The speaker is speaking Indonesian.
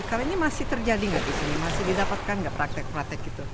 karena ini masih terjadi gak disini masih didapatkan gak praktek praktek itu